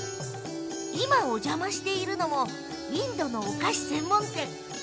今、お邪魔しているのもインドのお菓子専門店。